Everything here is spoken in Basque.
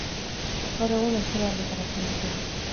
Gaur egun astero argitaratzen dute.